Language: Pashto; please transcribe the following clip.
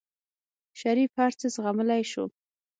شريف هر څه زغملی شو.